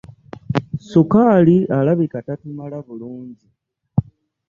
Ssukaali alabika tatumala bulungi.